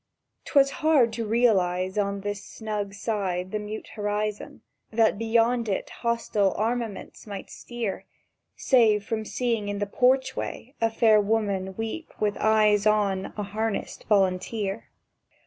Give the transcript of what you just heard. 'Twas hard to realize on This snug side the mute horizon That beyond it hostile armaments might steer, Save from seeing in the porchway a fair woman weep with eyes on A harnessed Volunteer.